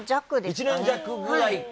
１年弱ぐらいか。